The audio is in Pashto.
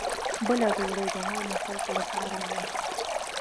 بله ډوډۍ د عامو خلکو لپاره وه.